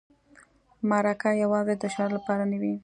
مرکه یوازې د شهرت لپاره نه وي.